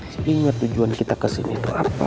saya ingat tujuan kita kesini itu apa